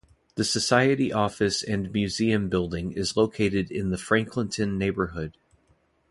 The society office and museum building is located in the Franklinton neighborhood.